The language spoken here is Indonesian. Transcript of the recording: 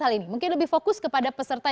hal ini mungkin lebih fokus kepada peserta